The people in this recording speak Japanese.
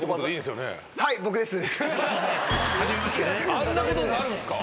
あんなことになるんすか？